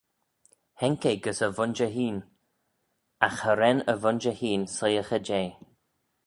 Haink eh gys e vooinjer hene, agh cha ren e vooinjer hene soiaghey jeh.